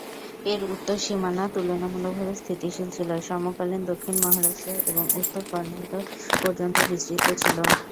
এর উত্তর সীমানা তুলনামূলকভাবে স্থিতিশীল ছিল, সমকালীন দক্ষিণ মহারাষ্ট্র এবং উত্তর কর্ণাটক পর্যন্ত বিস্তৃত ছিল।